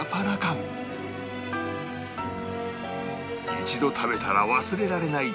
一度食べたら忘れられない